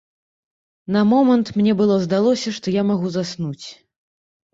На момант мне было здалося, што я магу заснуць.